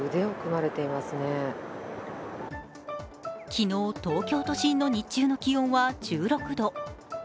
昨日、東京都心の日中の気温は１６度。